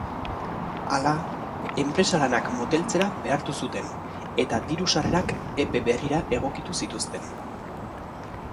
Hala, enpresa lanak moteltzera behartu zuten eta diru-sarrerak epe berrira egokitu zituzten.